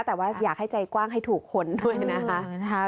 แต่ว่าอยากให้ใจกว้างให้ถูกคนด้วยนะคะ